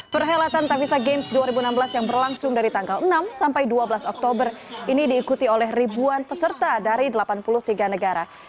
perhelatan tavisa games dua ribu enam belas yang berlangsung dari tanggal enam sampai dua belas oktober ini diikuti oleh ribuan peserta dari delapan puluh tiga negara